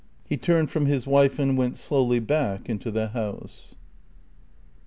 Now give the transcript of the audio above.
He turned from his wife and went slowly back into the house.